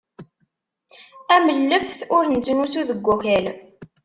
Am lleft ur nettnusu deg wakal.